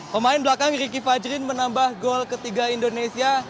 pemain belakang ricky fajrin menambah gol ketiga indonesia